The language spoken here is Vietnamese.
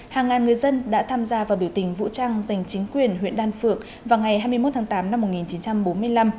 hàng ngàn người dân đã tham gia vào biểu tình vũ trang giành chính quyền huyện đan phượng vào ngày hai mươi một tháng tám năm một nghìn chín trăm bốn mươi năm